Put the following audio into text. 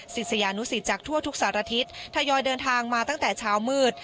ศิษยานุสิตจากทั่วทุกสารทิศทยอยเดินทางมาตั้งแต่เช้ามืด